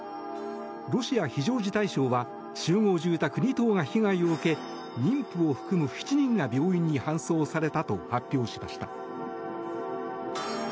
ロシア非常事態省は集合住宅２棟が被害を受け妊婦を含む７人が病院に搬送されたと発表しました。